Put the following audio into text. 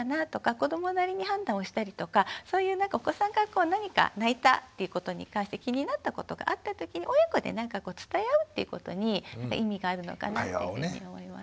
子どもなりに判断をしたりとかそういうお子さんが何か泣いたっていうことに関して気になったことがあったときに親子で何か伝え合うっていうことに意味があるのかなっていうふうに思います。